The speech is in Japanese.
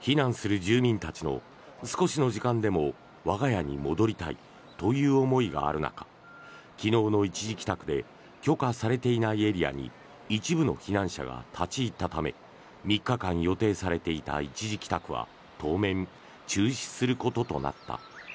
避難する住民たちの少しの時間でも我が家に戻りたいという思いがある中昨日の一時帰宅で許可されていないエリアに一部の避難者が立ち入ったため３日間予定されていた一時帰宅は当面、中止することとなった。